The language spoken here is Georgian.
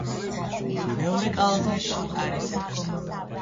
მეორე კალათაში არის ექვსი.